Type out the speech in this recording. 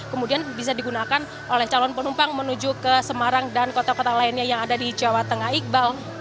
kemudian bisa digunakan oleh calon penumpang menuju ke semarang dan kota kota lainnya yang ada di jawa tengah iqbal